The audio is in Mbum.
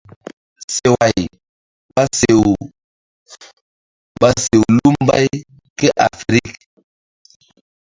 Seway ɓa sew ɓa sew lu mbay kéafirik.